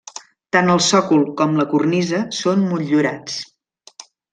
Tant el sòcol com la cornisa són motllurats.